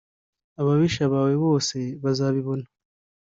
ababisha bawe bose bazabibona